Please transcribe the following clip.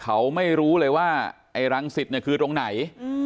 เขาไม่รู้เลยว่าไอหลังศิษย์คือตรงไหน